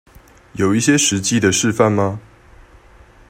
有一些實際的示範嗎